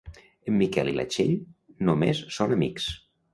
En Miquel i la Txell només són amics.